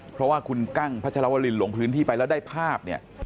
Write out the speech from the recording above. เพราะว่าคุณกั้งพัชรวรินลงพื้นที่ไปแล้วได้ภาพเนี่ย